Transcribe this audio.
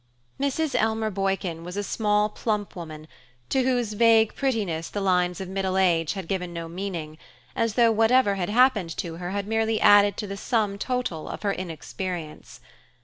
Mrs. Elmer Boykin was a small plump woman, to whose vague prettiness the lines of middle age had given no meaning: as though whatever had happened to her had merely added to the sum total of her inexperience.